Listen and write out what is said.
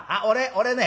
俺ね